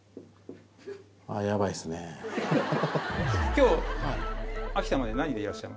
今日。